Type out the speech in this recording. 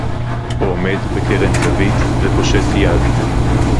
או עומד בקרן זווית ופושט יד